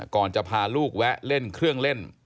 ก่อนจะพาลูกแวะเล่นเครื่องเล่น